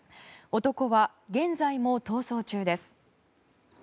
男は現在も逃走中です。